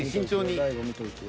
大悟見といてよ。